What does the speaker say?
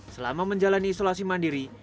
selama menjalani isolasi mandiri